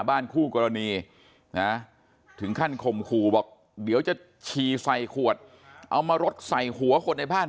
บ้านคู่กรณีกล่าถึงขั้นความคุบอกเดี๋ยวจะชี้ใส่ขวดเอามารดใส่หัวคนในบ้าน